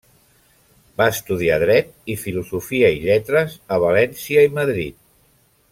Va estudiar Dret i Filosofia i Lletres a València i Madrid.